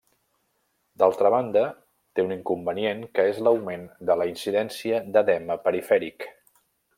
D'altra banda, té un inconvenient que és l'augment de la incidència d'edema perifèric.